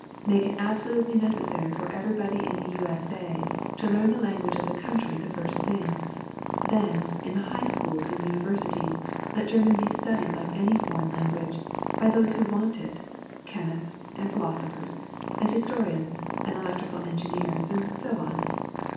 Make it absolutely necessary for everybody in the U. S. A. to learn the language of the country the first thing. Then in the high schools and universi ties let German be studied like any other foreign language, by those who want it — chemists, and philosophers, and historians, and electrical engineers, and so on.